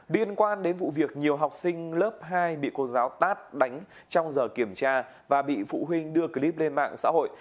liên quan đến vụ việc nhiều học sinh lớp hai bị cô giáo tát đánh trong giờ kiểm tra và bị phụ huynh đưa clip lên mạng xã hội